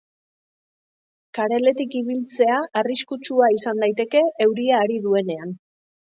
Kareletik ibiltzea arriskutsua izan daiteke euria ari duenean.